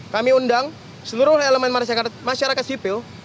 kami undang seluruh elemen masyarakat sipil